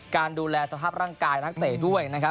การดูแลสภาพร่างกายนักเตะด้วยนะครับ